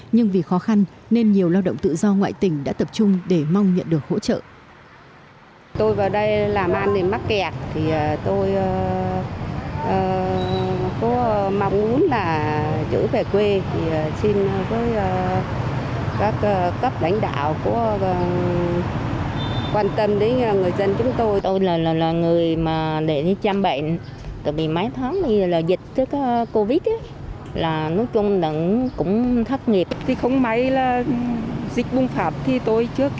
nhưng vì khó khăn nên nhiều lao động tự do ngoại tỉnh đã tập trung để mong nhận được hỗ trợ